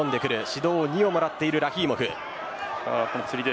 指導２をもらっているラヒーモフ。